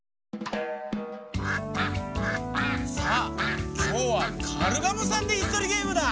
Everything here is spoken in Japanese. さあきょうはカルガモさんでいすとりゲームだ。